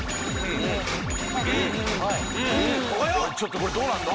ここよちょっとこれどうなんの？